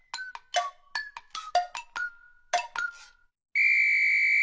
ピッ！